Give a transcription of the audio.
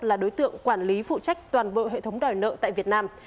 là đối tượng quản lý phụ trách toàn bộ hệ thống đòi nợ tại việt nam